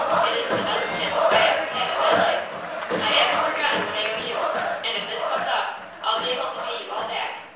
"It is the best tip I ever had in my life. I 'aven't forgotten what I owe you, and if this comes off I'll be able to pay you all back.